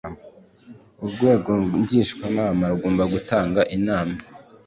urwego ngishwanama rugomba gutanga inama